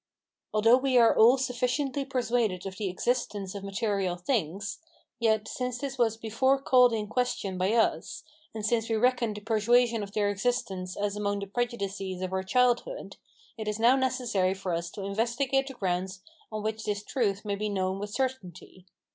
Although we are all sufficiently persuaded of the existence of material things, yet, since this was before called in question by us, and since we reckoned the persuasion of their existence as among the prejudices of our childhood, it is now necessary for us to investigate the grounds on which this truth may be known with certainty.